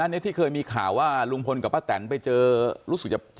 อะไรมันมีสาราบนี่แล้วใช่ไหมครับ